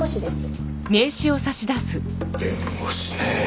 弁護士ね。